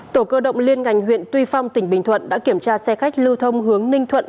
tổ cơ động liên ngành huyện tuy phong tỉnh bình thuận đã kiểm tra xe khách lưu thông hướng ninh thuận